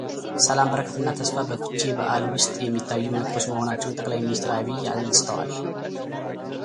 ሰላም በረከትና ተስፋ በፍቼ በዓል ውስጥ የሚታዩ ምልክቶች መሆናቸውን ጠቅላይ ሚኒስትር ዐቢይ አንስተዋል።